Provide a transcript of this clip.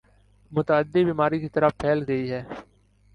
متعدی بیماری کی طرح پھیل گئی ہے